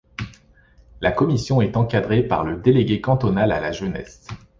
La Commission est encadrée par le délégué cantonal à la jeunesse.